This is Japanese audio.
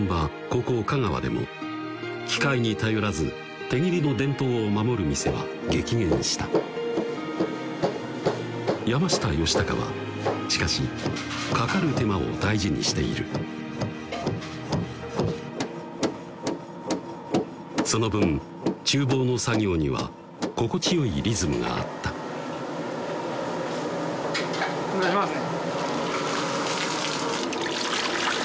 ここ香川でも機械に頼らず手切りの伝統を守る店は激減した山下義高はしかしかかる手間を大事にしているその分ちゅう房の作業には心地よいリズムがあった出しますね